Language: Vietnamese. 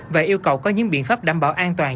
và yêu cầu có những biện pháp đảm bảo an toàn